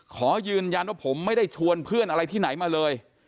ขอยืนยันว่าผมไม่ได้ชวนเพื่อนอะไรที่ไหนมาเลย